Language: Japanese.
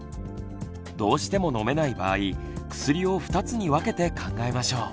どうしても飲めない場合薬を２つに分けて考えましょう。